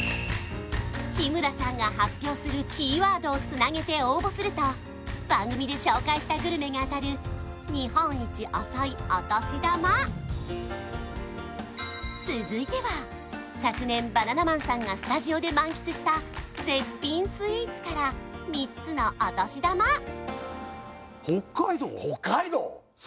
日村さんが発表するキーワードをつなげて応募すると番組で紹介したグルメが当たる日本一遅いお年玉続いては昨年バナナマンさんがスタジオで満喫した絶品スイーツから３つのお年玉北海道！